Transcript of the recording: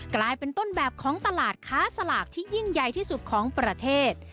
กลายเป็นต้นแบบของตลาดค้าสลากที่ยิ่งใหญ่ที่สุดของประเทศ